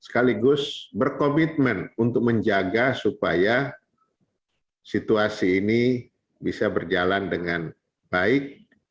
sekaligus berkomitmen untuk menjaga supaya situasi ini bisa berjalan dengan baik